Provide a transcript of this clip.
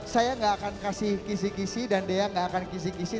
saya gak akan kasih kisih kisih dan dea gak akan kisih kisih